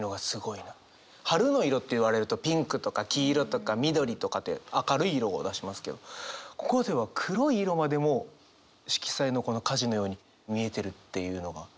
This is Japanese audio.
春の色って言われるとピンクとか黄色とか緑とかって明るい色を出しますけどここでは黒い色までも色彩のこの火事のように見えてるっていうのがすごいなあと思いました。